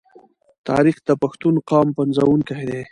تاریخ د پښتون قام پنځونکی دی.